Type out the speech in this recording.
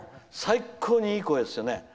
最高にいい声ですよね。